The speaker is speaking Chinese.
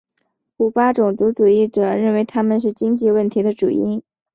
古巴种族主义者认为他们是经济问题的主因。